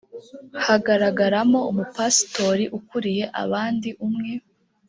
hagaragaramo umupasitori ukuriye abandi umwe